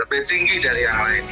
lebih tinggi dari yang lain